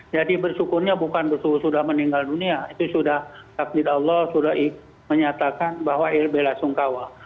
jadi bersyukurnya bukan bersyukur sudah meninggal dunia itu sudah takdir allah sudah menyatakan bahwa ilbela sungkawa